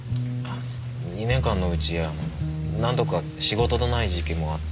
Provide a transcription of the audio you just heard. ２年間のうちあの何度か仕事のない時期もあって。